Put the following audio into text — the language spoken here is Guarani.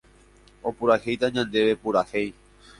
opurahéita ñandéve purahéi